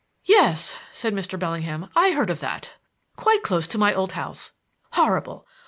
"Yes," said Mr. Bellingham, "I heard of that. Quite close to my old house. Horrible!